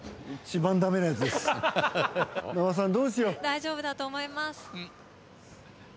大丈夫だと思います。